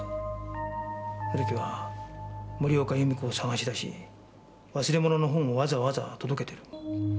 古木は森岡弓子を捜し出し忘れ物の本をわざわざ届けてる。